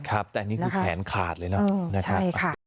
ครับแต่อันนี้คือแขนขาดเลยนะครับ